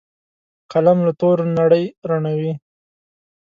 قلم له تورو نړۍ رڼوي